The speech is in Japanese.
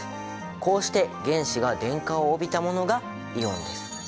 こうして原子が電荷を帯びたものがイオンです。